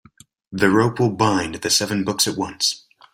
The rope will bind the seven books at once.